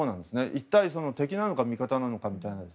一体敵なのか味方なのかという。